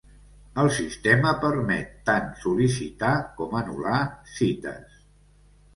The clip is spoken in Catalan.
El sistema permet tant sol·licitar com anul·lar cites.